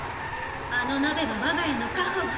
あの鍋は我が家の家宝。